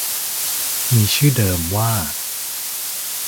มีชื่อเดิมว่า